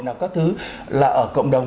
nào các thứ là ở cộng đồng